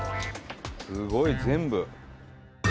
すごい全部。